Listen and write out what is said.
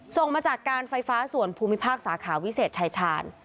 ส่งมาจากการไฟฟ้าส่วนภูมิภาคสาขาวิเศษชายชาญ